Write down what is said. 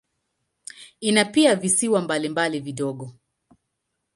Ina pia visiwa mbalimbali vidogo.